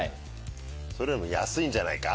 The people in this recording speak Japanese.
それよりも安いんじゃないか。